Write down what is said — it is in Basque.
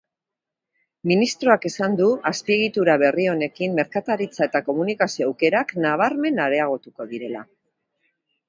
Ministroak esan du azpiegitura berri honekin merkataritza eta komunikazio aukerak nabarmen areagotuko direla.